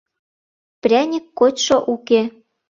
Пряник кочшо уке.